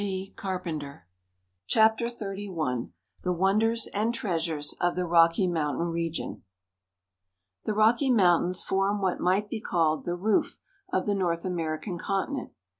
THE WONDERLAND OF AMERICA. 235 XXXL THE WONDERS AND TREASURES OF THE ROCKY MOUNTAIN REGION. THE Rocky Mountains form what might be called the roof of the North American continent.